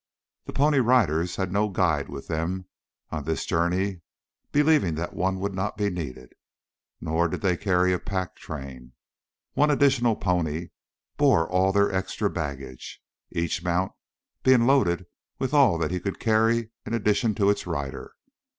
The Pony Riders had no guide with them on this journey, believing that one would not be needed. Nor did they carry a pack train. One additional pony bore all their extra baggage, each mount being loaded with all that he could carry in addition to its rider.